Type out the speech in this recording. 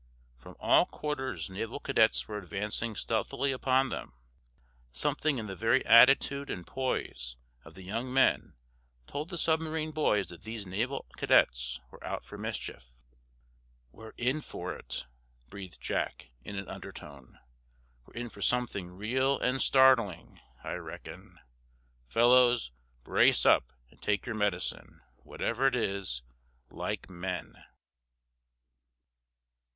From all quarters naval cadets were advancing stealthily upon them. Something in the very attitude and poise of the young men told the submarine boys that these naval cadets were out for mischief. "We're in for it!" breathed Jack, in an undertone. "We're in for something real and startling, I reckon. Fellows, brace up and take your medicine, whatever it is, like men!"